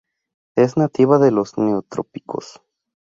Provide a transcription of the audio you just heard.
Es nativa de los neotrópicos.